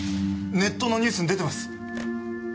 ネットのニュースに出てます。